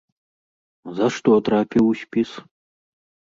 За што трапіў у спіс?